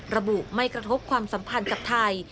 ระบุไม่กระทบความสัมพันธ์กับไทย